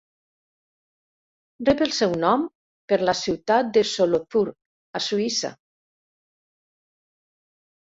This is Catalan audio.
Rep el seu nom per la ciutat de Solothurn a Suïssa.